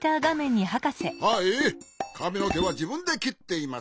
はいかみのけはじぶんできっています。